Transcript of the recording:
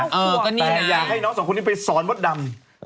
แต่อยากให้น้องสองคนนี้ไปสอนมดดำ